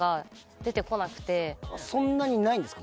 そんなにないんですか？